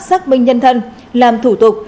xác minh nhân thân làm thủ tục